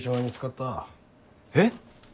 えっ！？